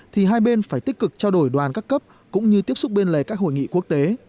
thì hai bên phải tích cực trao đổi đoàn các cấp cũng như tiếp xúc bên lề các hội nghị quốc tế